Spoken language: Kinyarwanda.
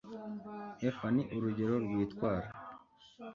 efa ni urugero rw'itwara